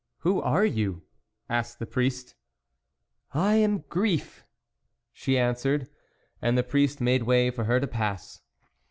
" Who are you ?" asked the priest. " I am Grief," she answered, and the priest made way for her to pass.